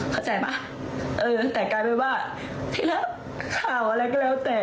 เข้าใจป่ะเออแต่กลายเป็นว่าที่รับข่าวอะไรก็แล้วแต่